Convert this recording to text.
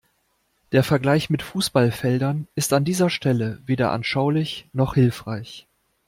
Der Vergleich mit Fußballfeldern ist an dieser Stelle weder anschaulich noch hilfreich.